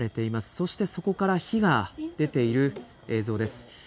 そしてそこから火が出ている映像です。